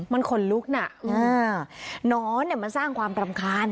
มันขนลุกหนักอืมหนอนเนี่ยมันสร้างความปรำคาญ